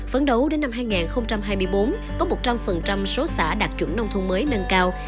phấn đấu đến năm hai nghìn hai mươi bốn có một trăm linh số xã đạt chuẩn nông thôn mới nâng cao